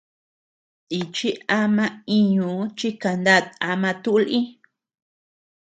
Nichi ama íñuu chi kanát ama tuʼu lï.